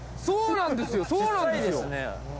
そうなんですよ。